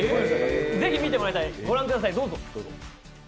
ぜひ見てもらいたい。